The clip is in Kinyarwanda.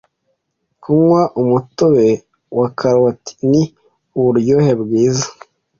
Kunywa umutobe wa karoti ni uburyo bwiza